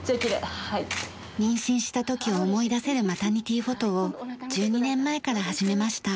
妊娠した時を思い出せるマタニティフォトを１２年前から始めました。